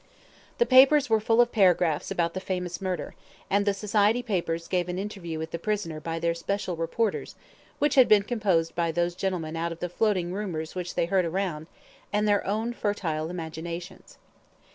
The papers were full of paragraphs about the famous murder, and the society papers gave an interview with the prisoner by their special reporters, which had been composed by those gentlemen out of the floating rumours which they heard around, and their own fertile imaginations.